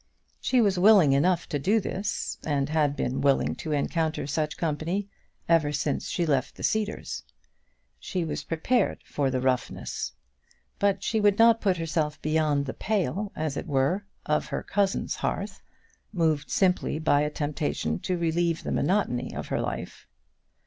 She was willing enough to do this, and had been willing to encounter such company ever since she left the Cedars. She was prepared for the roughness. But she would not put herself beyond the pale, as it were, of her cousin's hearth, moved simply by a temptation to relieve the monotony of her life.